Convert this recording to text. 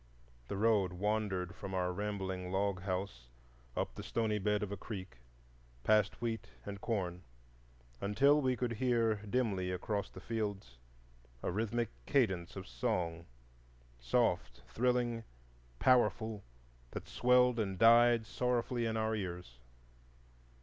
The road wandered from our rambling log house up the stony bed of a creek, past wheat and corn, until we could hear dimly across the fields a rhythmic cadence of song,—soft, thrilling, powerful, that swelled and died sorrowfully in our ears.